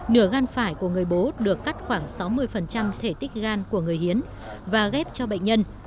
nửa gan phải của người bố được cắt khoảng sáu mươi thể tích gan của người hiến và ghép cho bệnh nhân